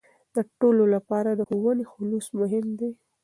د ټولو لپاره د ښوونې خلوص مهم دی.